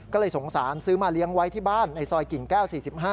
ก็เลยสงสารซื้อมาเลี้ยงไว้ที่บ้านในซอยกิ่งแก้ว๔๕